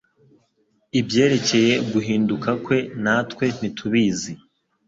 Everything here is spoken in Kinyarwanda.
Ibyerekeye guhinduka kwe natwe ntitubizi